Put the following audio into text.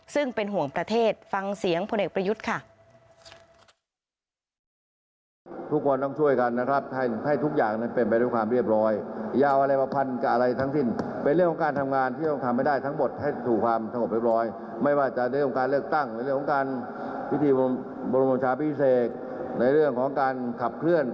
ซึ่งเป็นห่วงประเทศฟังเสียงพลเอกประยุทธ์ค่ะ